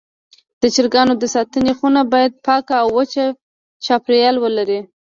د چرګانو د ساتنې خونه باید پاکه او وچ چاپېریال ولري.